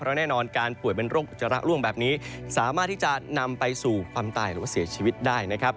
และแน่นอนการป่วยเป็นโรคอุจจาระร่วงแบบนี้สามารถที่จะนำไปสู่ความตายหรือว่าเสียชีวิตได้นะครับ